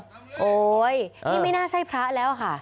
โอ๊ยนี่ไม่น่าใช่พระแล้วค่ะ